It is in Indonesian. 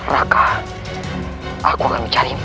raka aku akan mencarimu